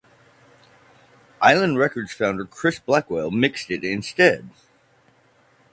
Island Records founder Chris Blackwell mixed it instead.